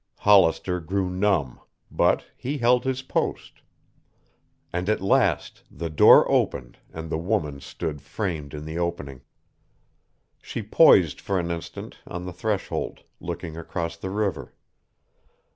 Hollister grew numb. But he held his post. And at last the door opened and the woman stood framed in the opening. She poised for an instant on the threshold, looking across the river.